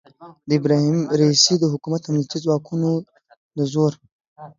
د ابراهیم رئیسي د حکومت امنیتي ځواکونو د زور